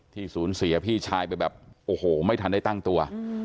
สูญเสียพี่ชายไปแบบโอ้โหไม่ทันได้ตั้งตัว